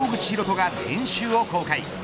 口紘人が練習を公開。